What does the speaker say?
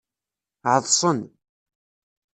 Ɛeḍsen.